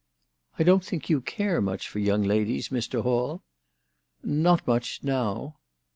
" I don't think you care much for young ladies, Mr. Hall." " Not much now."